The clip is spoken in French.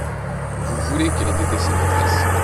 Vous voulez qu’elle ait été sa maîtresse.